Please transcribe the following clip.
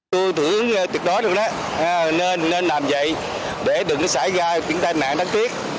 tôi thưởng từ đó được đó nên làm vậy để đừng xảy ra những tai nạn đáng tiếc